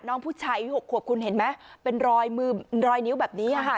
น้องผู้ชายอายุ๖ขวบคุณเห็นไหมเป็นรอยมือรอยนิ้วแบบนี้ค่ะ